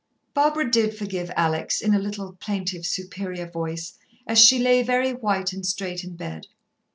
Barbara did forgive Alex, in a little, plaintive, superior voice, as she lay very white and straight in bed.